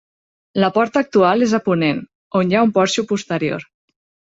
La porta actual és a ponent, on hi ha un porxo posterior.